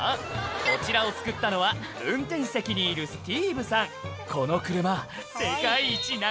こちらを造ったのは運転席にいるスティーブさん